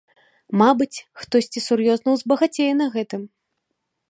Мабыць, хтосьці сур'ёзна ўзбагацее на гэтым.